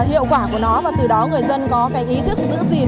hiệu quả của nó và từ đó người dân có cái ý thức giữ gìn